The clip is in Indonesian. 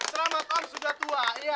selamat ulang sudah tua